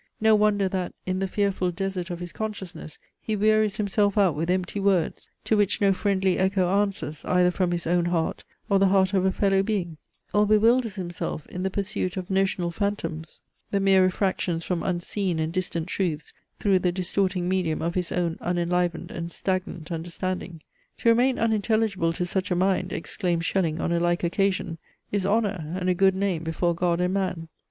No wonder, that, in the fearful desert of his consciousness, he wearies himself out with empty words, to which no friendly echo answers, either from his own heart, or the heart of a fellow being; or bewilders himself in the pursuit of notional phantoms, the mere refractions from unseen and distant truths through the distorting medium of his own unenlivened and stagnant understanding! To remain unintelligible to such a mind, exclaims Schelling on a like occasion, is honour and a good name before God and man.